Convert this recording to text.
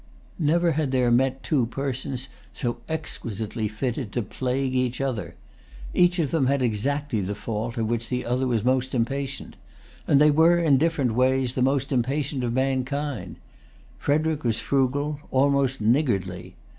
Never had there met two persons so exquisitely fitted to plague each other. Each of them had exactly the fault of which the other was most impatient; and they were, in different ways, the most impatient of mankind. Frederic was frugal, almost niggardly.